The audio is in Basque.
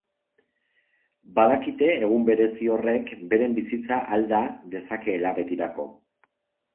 Badakite egun berezi horrek beren bizitza alda dezakeela betirako.